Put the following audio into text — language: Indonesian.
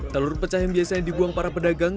telur pecah yang biasanya dibuang para pedagang